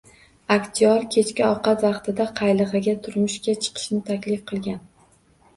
Aktyor kechki ovqat vaqtida qaylig‘iga turmushga chiqishni taklif qilgan